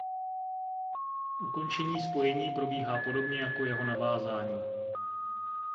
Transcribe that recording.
Ukončení spojení probíhá podobně jako jeho navázání.